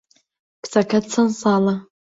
کچەکەت چەند ساڵە؟